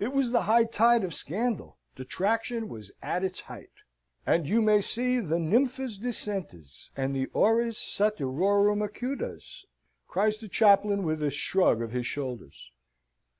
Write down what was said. It was the high tide of Scandal. Detraction was at its height. And you may see the nymphas discentes and the aures satyrorum acutas," cries the chaplain, with a shrug of his shoulders.